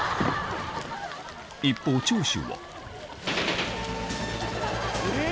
一方長州はえぇ！